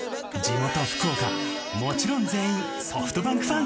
元福岡、もちろん全員、ソフトバンクファン。